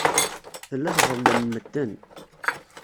Tella tḍellem medden.